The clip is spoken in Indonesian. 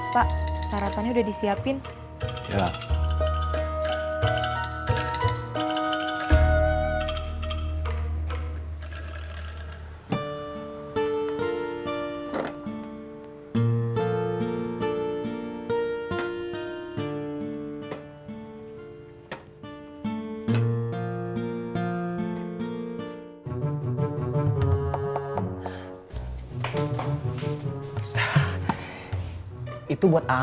pak sarapannya udah disiapkan pak